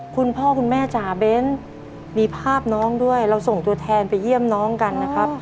คุณพ่อคุณแม่จ๋าเบ้นมีภาพน้องด้วยเราส่งตัวแทนไปเยี่ยมน้องกันนะครับ